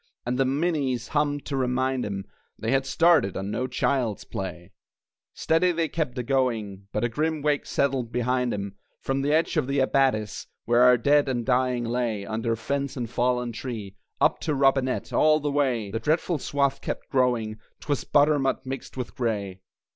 And the minies hummed to remind 'em They had started on no child's play! Steady they kept a going, But a grim wake settled behind 'em From the edge of the abattis (Where our dead and dying lay Under fence and fallen tree), Up to Robinett, all the way The dreadful swath kept growing! 'Twas butternut mixed with gray.